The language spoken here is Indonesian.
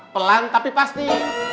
pelan tapi pasti